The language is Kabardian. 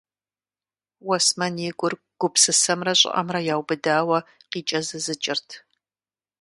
Уэсмэн и гур гупсысэмрэ щӀыӀэмрэ яубыдауэ къикӀэзызыкӀырт.